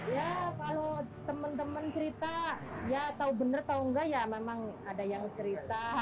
ya kalau teman teman cerita ya tahu benar atau enggak ya memang ada yang cerita